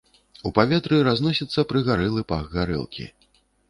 У паветры разносіцца прыгарэлы пах гарэлкі.